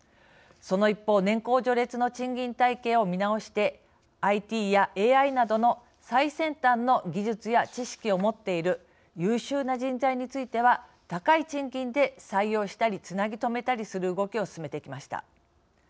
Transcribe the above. その一方、年功序列の賃金体系を見直してＩＴやＡＩなどの最先端の技術や知識を持っている優秀な人材については高い賃金で採用したりつなぎとめたりする動きを進めてきました。